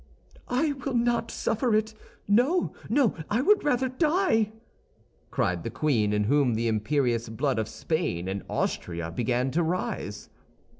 "I will not suffer it! No, no, I would rather die!" cried the queen, in whom the imperious blood of Spain and Austria began to rise.